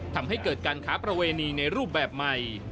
ทำให้เกิดการค้าประเวณีในรูปแบบใหม่